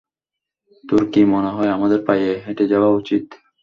তোর কি মনে হয় আমাদের পায়ে হেঁটে যাওয়া উচিত?